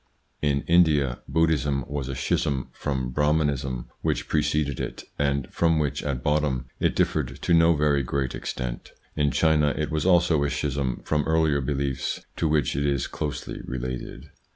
In India, Buddhism was a schism from Brahmanism which preceded it, and from which at bottom it differed to no very great extent ; in China, it was also a schism from earlier beliefs to which it is closely related.